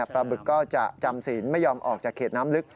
บึกก็จะจำศีลไม่ยอมออกจากเขตน้ำลึก